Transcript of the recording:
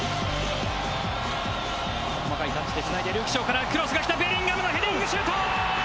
細かいタッチでつないでルーク・ショーからパスが来たベリンガムのヘディングシュート！